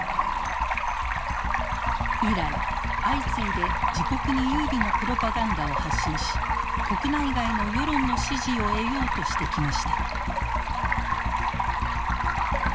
以来相次いで自国に有利なプロパガンダを発信し国内外の世論の支持を得ようとしてきました。